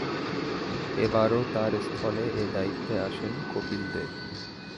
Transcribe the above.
এবারও তার স্থলে এ দায়িত্বে আসেন কপিল দেব।